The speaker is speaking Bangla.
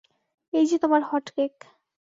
এই যে তোমার হটকেক।